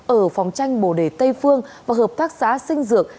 ở phòng tranh bồ đề tây phương và hợp tác xã sinh dược